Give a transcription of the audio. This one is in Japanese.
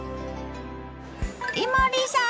伊守さん！